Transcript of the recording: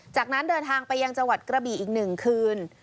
จากนั้นเดินทางไปยังจังหวัดกระบี่อีก๑คืน